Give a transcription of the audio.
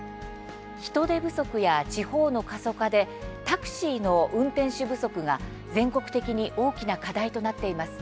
人手不足や地方の過疎化でタクシーの運転手不足が全国的に大きな課題となっています。